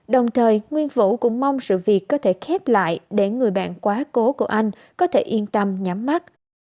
đồng thời nguyên vũ cũng mong sự việc có thể khép lại để người bạn quá cố của anh có thể yên tâm nhắm mắt